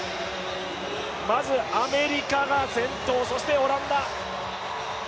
まずアメリカが先頭、そしてオランダ。